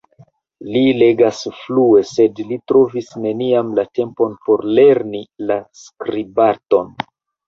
Li legas flue; sed li trovis neniam la tempon por lerni la skribarton.